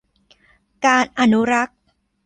การอนุรักษ์